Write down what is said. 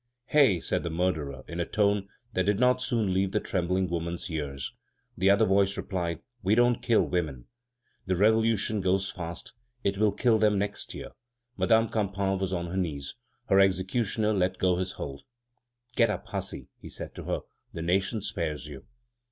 "Hey!" said the murderer, in a tone that did not soon leave the trembling woman's ears. The other voice replied: "We don't kill women." The Revolution goes fast; it will kill them next year. Madame Campan was on her knees. Her executioner let go his hold. "Get up, hussy," he said to her, "the nation spares you!"